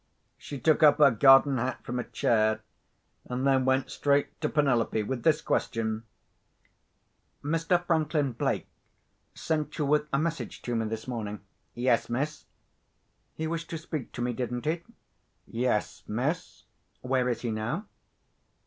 She took up her garden hat from a chair, and then went straight to Penelope with this question:— "Mr. Franklin Blake sent you with a message to me this morning?" "Yes, miss." "He wished to speak to me, didn't he?" "Yes, miss." "Where is he now?"